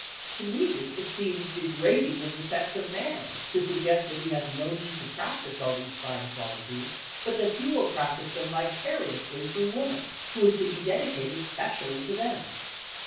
(To me it seems "degrading the sex" of man to suggest that he has no need to practise all these fine qualities, but that he will practise them vicariously through woman, who is to be dedicated specially to them.)